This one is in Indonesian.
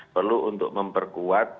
perlu untuk memperkuat